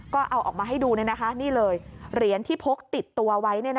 ก็เอาออกมาให้ดูนี่เลยเหรียญที่พกติดตัวไว้